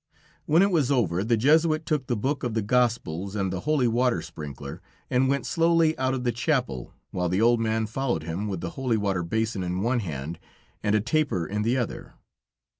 When it was over, the Jesuit took the book of the Gospels and the holy water sprinkler, and went slowly out of the chapel, while the old man followed him, with the holy water basin in one hand and a taper in the other.